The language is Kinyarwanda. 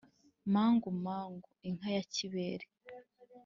mangu mangu inka ya kibere